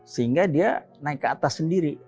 sehingga dia naik ke atas sendiri